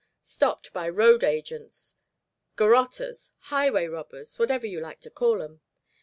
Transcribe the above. "Stopped by road agents, garroters, highway robbers whatever you like to call 'em.